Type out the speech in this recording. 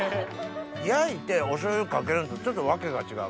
焼いてお醤油かけるのとちょっと訳が違う。